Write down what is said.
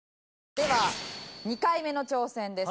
では２回目の挑戦です。